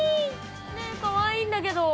ねぇかわいいんだけど。